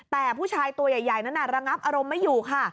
แต่ผู้ชายตัวใหญ่นั้นระงับอารมณ์ไม่อยู่ค่ะ